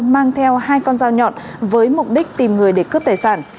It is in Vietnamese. mang theo hai con dao nhọn với mục đích tìm người để cướp tài sản